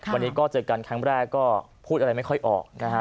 วันนี้ก็เจอกันครั้งแรกก็พูดอะไรไม่ค่อยออกนะฮะ